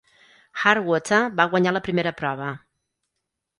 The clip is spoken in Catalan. Hard Water va guanyar la primera prova.